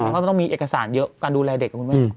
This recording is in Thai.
ก็ต้องมีเอกสารเยอะการดูแลเด็ก